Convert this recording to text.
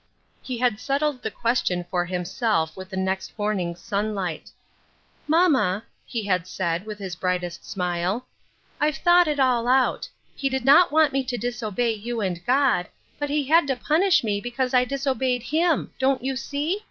He had settled the question for him self with the next morning's sunlight. " Mamma," he had said, with his brightest smile, " I've thought it all out ; he did not want me to disobey you and God, but he had to punish me because I disobeyed him ; don't you see